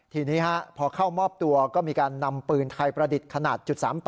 ทีนี้พอเข้ามอบตัวก็มีการนำปืนไทยประดิษฐ์ขนาด๓๘